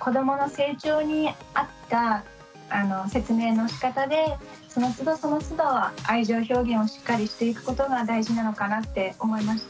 子どもの成長に合った説明のしかたでそのつどそのつど愛情表現をしっかりしていくことが大事なのかなって思いました。